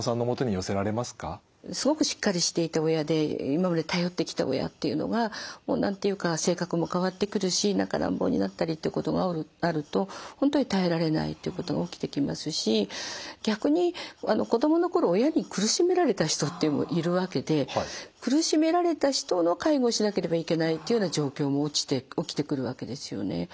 すごくしっかりしていた親で今まで頼ってきた親っていうのがもう何て言うか性格も変わってくるし何か乱暴になったりっていうことがあると本当に耐えられないっていうことが起きてきますし逆に子供の頃親に苦しめられた人っていうのもいるわけで苦しめられた人の介護をしなければいけないっていうような状況も起きてくるわけですよね。